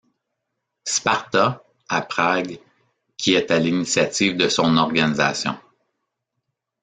Sparta, à Prague, qui est à l'initiative de son organisation.